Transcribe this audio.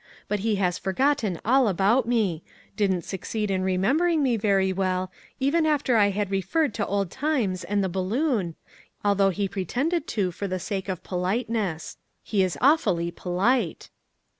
But he has for gotten all about me; didn't succeed in remem bering me very well, even after I had referred to old times and the balloon, although he pre tended to for the sake of politeness ; he is aw fully polite."